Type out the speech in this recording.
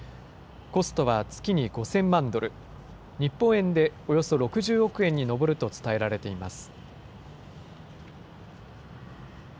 コストは月に５０００万ドル、日本円でおよそ６０億円に上ると伝えられています。